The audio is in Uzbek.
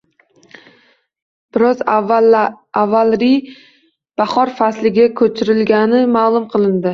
Biroz avval ri bahor fasliga koʻchirilgani maʼlum qilindi